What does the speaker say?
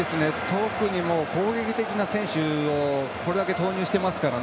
特に攻撃的な選手をこれだけ投入していますから。